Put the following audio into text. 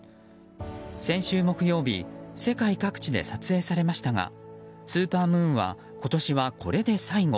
先週木曜日世界各地で撮影されましたがスーパームーンは今年はこれで最後。